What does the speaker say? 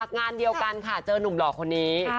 งานเดียวกันค่ะเจอนุ่มหล่อคนนี้